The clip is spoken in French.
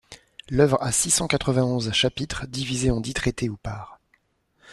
L’œuvre a six-cent quatre-vingt-onze chapitres, divisés en dix traités ou parts.